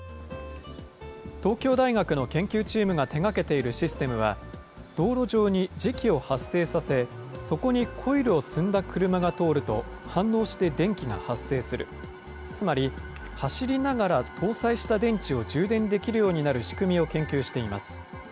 東京大学の研究チームが手がけているシステムは、道路上に磁気を発生させ、そこにコイルを積んだ車が通ると反応して電気が発生する、つまり、走りながら搭載した電池を充電できるようになる仕組みを研究しています。